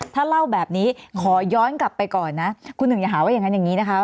ถ้าเล่าแบบนี้ขอย้อนกลับไปก่อนนะคุณหนึ่งอย่าหาว่าอย่างนั้นอย่างนี้นะคะ